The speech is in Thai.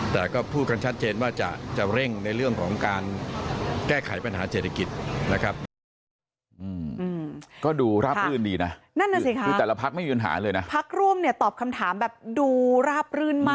แต่ก็พูดกันชัดเจนว่าจะเร่งในเรื่องของการแก้ไขปัญหาเศรษฐกิจนะครับ